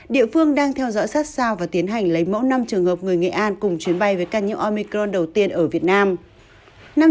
địa phương đang theo dõi sát sao và tiến hành lấy mẫu năm trường hợp người nghệ an cùng chuyến bay với ca nhiễm omicron đầu tiên ở việt nam